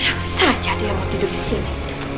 hanya saja dia mau tidur di sini